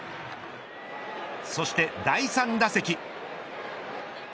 そして第３打席。